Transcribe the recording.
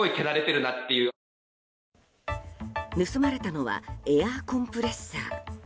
盗まれたのはエアコンプレッサー。